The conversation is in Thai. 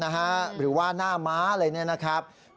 หรือว่าหน้ามา